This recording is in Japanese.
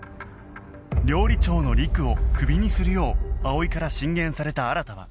料理長のりくをクビにするよう葵から進言された新は